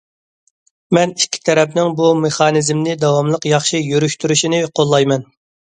مەن ئىككى تەرەپنىڭ بۇ مېخانىزمنى داۋاملىق ياخشى يۈرۈشتۈرۈشىنى قوللايمەن.